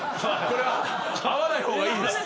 これは合わない方がいいです。